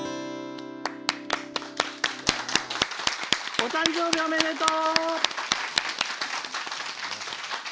お誕生日おめでとう！